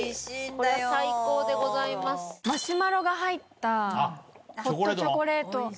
これ、マシュマロが入ったホットチョコレート。